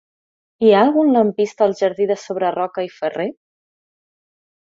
Hi ha algun lampista al jardí de Sobreroca i Ferrer?